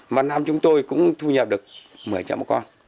một năm chúng tôi cũng thu nhập được một mươi triệu một con